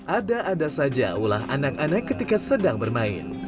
ada ada saja ulah anak anak ketika sedang bermain